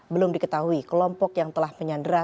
belum diketahui kelompok yang telah menyandra